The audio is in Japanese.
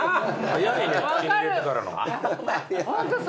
早いね口に入れてからの。